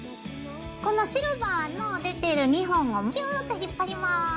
このシルバーの出てる２本をギューッと引っ張ります。